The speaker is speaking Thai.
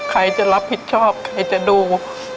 ใครจะรับผิดชอบใครจะดู